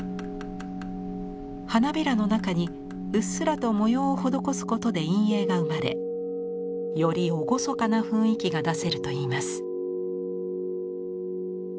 花びらの中にうっすらと模様を施すことで陰影が生まれより厳かな雰囲気が出せるといいます。